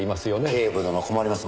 警部殿困ります。